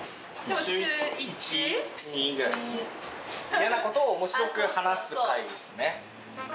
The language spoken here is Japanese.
嫌なことをおもしろく話す会ですね。